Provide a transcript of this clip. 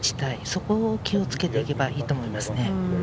そこを気をつけていけばいいと思いますね。